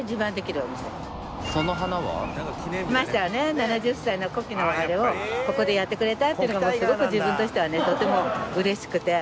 ７０歳の古希のあれをここでやってくれたっていうのがすごく自分としてはねとても嬉しくて。